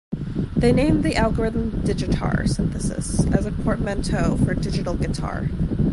They named the algorithm "Digitar" synthesis, as a portmanteau for "digital guitar".